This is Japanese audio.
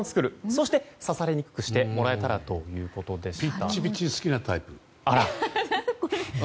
そして、刺されにくくしてもらえたらということです。